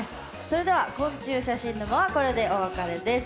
それでは「昆虫写真沼」はこれでお別れです。